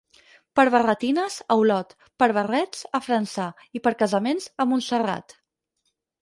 Per barretines, a Olot; per barrets, a França, i per casaments, a Montserrat.